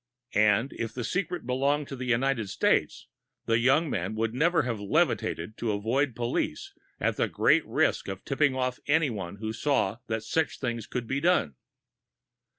And if the secret belonged to the United States, the young man would never have levitated to avoid police at the greater risk of tipping off anyone who saw that such things could be done.